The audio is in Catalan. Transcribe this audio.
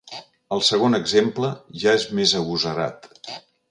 El segon exemple ja és més agosarat.